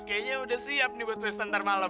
kayaknya udah siap nih buat western ntar malam